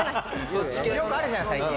よくあるじゃん最近。